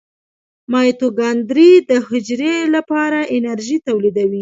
مایتوکاندري د حجرې لپاره انرژي تولیدوي